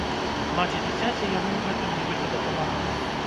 Маці дзіцяці яму ў гэтым, нібыта, дапамагала.